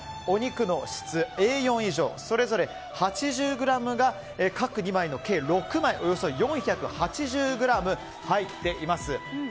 お肉の質、Ａ４以上それぞれ８０ｇが各２枚の計６枚およそ４８０ｇ入っています。